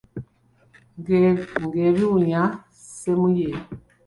Ng'ebiwunya ssemuye.